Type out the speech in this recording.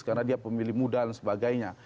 karena dia pemilih muda dan sebagainya